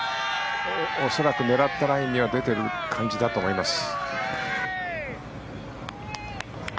恐らく、狙ったラインには出てる感じだと思います。